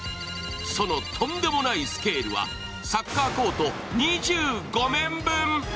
そのとんでもないスケールはサッカーコート２５面分。